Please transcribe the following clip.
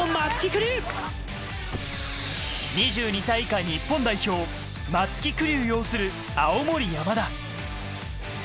２２歳以下日本代表・松木玖生擁する青森山田。